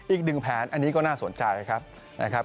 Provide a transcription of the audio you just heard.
อีก๑แผนอันนี้ก็น่าสนใจครับ